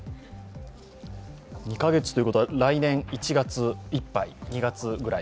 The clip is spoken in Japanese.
２カ月ということは来年１月いっぱい、２月くらい。